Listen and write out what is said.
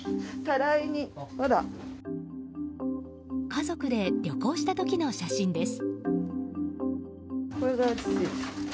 家族で旅行した時の写真です。